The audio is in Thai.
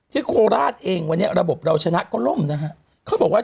โคราชเองวันนี้ระบบเราชนะก็ล่มนะฮะเขาบอกว่า